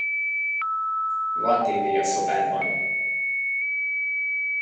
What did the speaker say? Van tévé a szobádban!